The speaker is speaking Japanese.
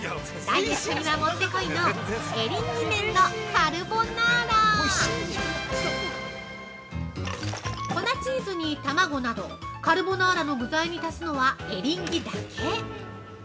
ダイエットにはもってこいの「エリンギ麺のカルボナーラ」粉チーズに卵など、カルボナーラの具材に足すのはエリンギだけ！